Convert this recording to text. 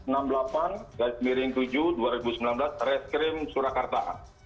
delapan ratus enam puluh delapan gajmiring tujuh dua ribu sembilan belas reskrim surakarta